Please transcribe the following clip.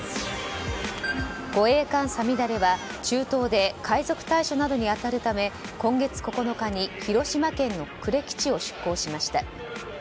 護衛艦「さみだれ」は中東で海賊対処などに当たるため今月９日に広島県の呉基地を出港しました。